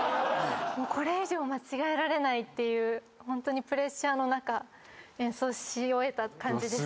これ以上間違えられないっていうホントにプレッシャーの中演奏し終えた感じでした。